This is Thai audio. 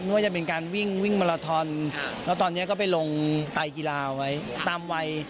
ว่าจะเป็นการวิ่งวิ่งมาลาทอนแล้วตอนนี้ก็ไปลงไตกีฬาไว้ตามวัย